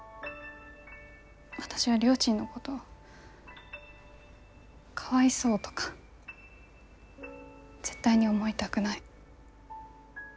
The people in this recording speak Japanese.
私はりょーちんのことかわいそうとか絶対に思いたくない。